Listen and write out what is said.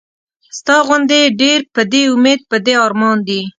ستا غوندې ډېر پۀ دې اميد پۀ دې ارمان دي